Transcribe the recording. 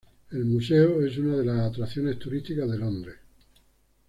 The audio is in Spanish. El museo es una de las atracciones turísticas de Londres.